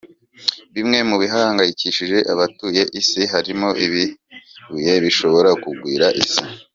Bimwe mu bihangayikije abatuye isi harimo ibibuye bishobora kugwira isi.